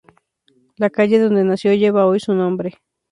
La calle donde nació lleva hoy su nombre.